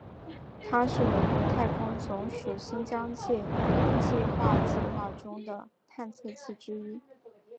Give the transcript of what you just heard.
它是美国太空总署新疆界计画计划中的探测器之一。